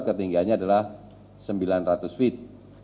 ketinggiannya adalah sembilan ratus feet